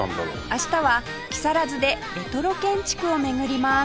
明日は木更津でレトロ建築を巡ります